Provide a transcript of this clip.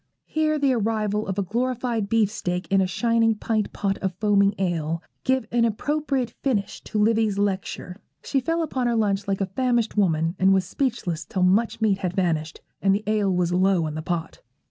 Here the arrival of a glorified beefsteak and a shining pint pot of foaming ale give an appropriate finish to Livy's lecture. She fell upon her lunch like a famished woman, and was speechless till much meat had vanished, and the ale was low in the pot.